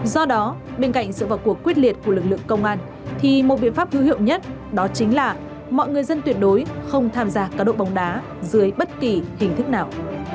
do đó bên cạnh sự vào cuộc quyết liệt của lực lượng công an thì một biện pháp hữu hiệu nhất đó chính là mọi người dân tuyệt đối không tham gia cá độ bóng đá dưới bất kỳ hình thức nào